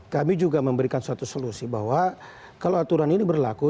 kami juga memberikan suatu solusi bahwa kalau aturan ini berlaku